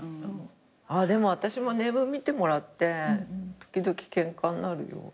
でも私もネーム見てもらって時々ケンカになるよ。